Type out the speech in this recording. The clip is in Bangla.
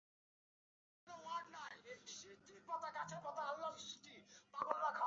আমাদের নিয়ম হচ্ছে, অনাহূত তোমার বাড়িতে কোনোমতেই যেতে পারব না।